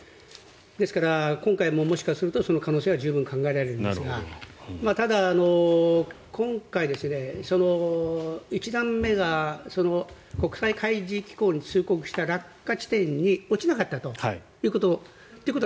ですから今回ももしかするとその可能性も十分考えられるんですがただ、今回、１段目が国際海事機構に通告した落下地点に落ちなかったということ。